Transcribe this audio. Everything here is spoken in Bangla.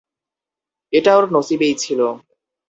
এটা ওর নসিবেই ছিল।